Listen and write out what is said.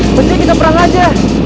mesti kita perang aja